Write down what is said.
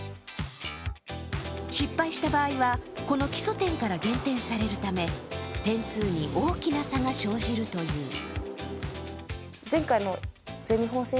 失敗した場合は、この基礎点から減点されるため点数に大きな差が生じるという。